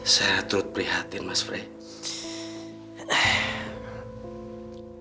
saya turut prihatin mas fred